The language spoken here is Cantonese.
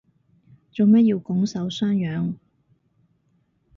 做咩要拱手相讓